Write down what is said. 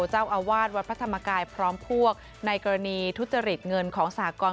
เจ้าอาวาสวัดพระธรรมกายพร้อมพวกในกรณีทุจริตเงินของสหกร